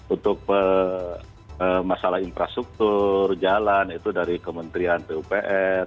untuk masalah infrastruktur jalan itu dari kementerian pupr